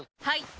はい！